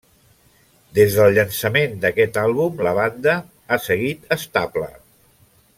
Des del llançament d'aquest àlbum, la banda ha seguit estable.